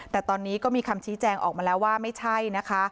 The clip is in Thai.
แต่ตอนนี้ก็มีคำชี้แจงออกมาแล้วว่าไม่ใช่นะคะ